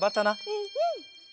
うんうん！